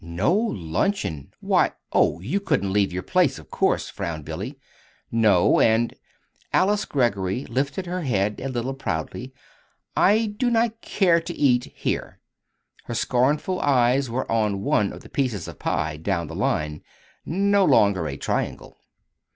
"No luncheon! Why oh, you couldn't leave your place, of course," frowned Billy. "No, and" Alice Greggory lifted her head a little proudly "I do not care to eat here." Her scornful eyes were on one of the pieces of pie down the line no longer a triangle.